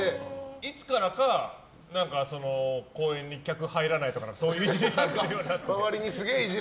いつからか公演に客が入らないとかそういうイジリをされてるような。